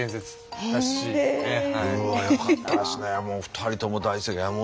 もう２人とも大正解。